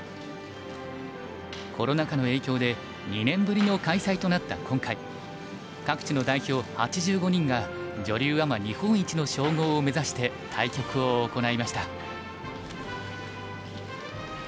コロナ禍の影響で２年ぶりの開催となった今回各地の代表８５人が女流アマ日本一の称号を目指して対局を行いました。